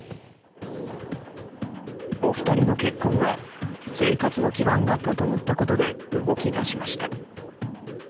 お二人の結婚は生活の基盤が整ったことで動き出しました。